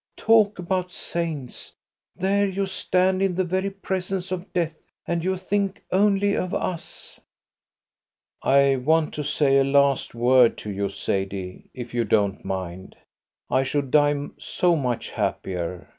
Talk about saints! There you stand in the very presence of death, and you think only of us." "I want to say a last word to you, Sadie, if you don't mind. I should die so much happier.